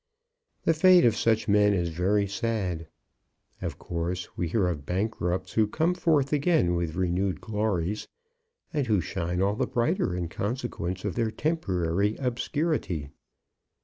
The fate of such men is very sad. Of course we hear of bankrupts who come forth again with renewed glories, and who shine all the brighter in consequence of their temporary obscurity.